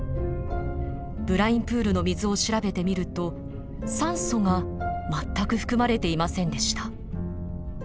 ブラインプールの水を調べてみると酸素が全く含まれていませんでした。